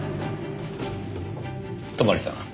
泊さん。